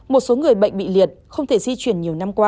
một số người bệnh bị liệt không thể di chuyển nhiều năm qua